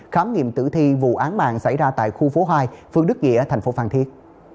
khám nghiệm tử thi vụ án mạng xảy ra tại khu phố hai phương đức nghĩa thành phố phan thiết